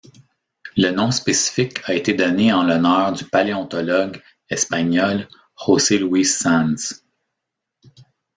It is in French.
Le nom spécifique a été donné en l'honneur du paléontologue espagnol Jose Luis Sanz.